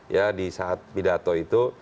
ya di saat pidato itu